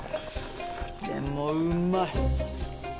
でもうまい。